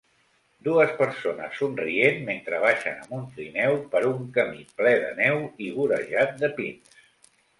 Dues persones somrient mentre baixen amb un trineu per un camí ple de neu i vorejat de pins.